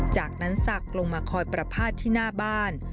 จากนั้นศักดิ์ลงมาคอยประพาทที่หน้าบ้าน